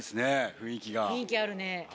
雰囲気あるね。